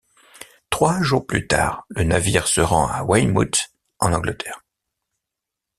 Trois jours plus tard, le navire se rend à Weymouth, en Angleterre.